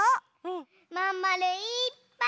まんまるいっぱい！